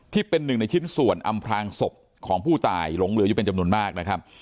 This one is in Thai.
ที่เป็นหนึ่งในชิ้นส่วนอำพลางศพของผู้ตายหลงเหลืออยู่เป็นจำนวนมากนะครับ